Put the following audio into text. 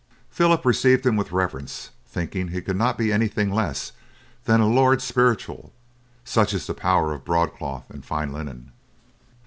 Philip received him with reverence, thinking he could not be anything less than a lord spiritual, such is the power of broadcloth and fine linen.